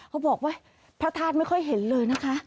เขาบอกว่าพระธาตุไม่ค่อยเห็นเลยนะคะ